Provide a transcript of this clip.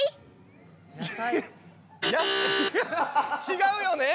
違うよね。